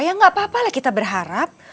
ya gak apa apalah kita berharap